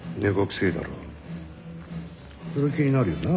そりゃ気になるよな。